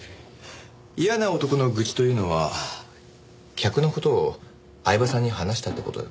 嫌な男の愚痴というのは客の事を饗庭さんに話したって事？